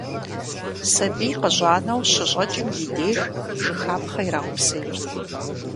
Сабий къыщӀанэу щыщӀэкӀым и деж, жыхапхъэ ираупсейрт.